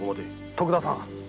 徳田さん！